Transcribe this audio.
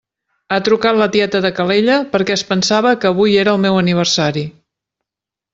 Ha trucat la tieta de Calella perquè es pensava que avui era el meu aniversari.